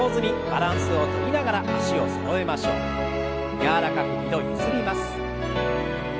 柔らかく２度ゆすります。